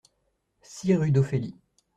six rue d'Ophélie